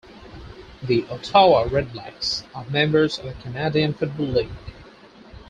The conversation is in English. The Ottawa Redblacks are members of the Canadian Football League.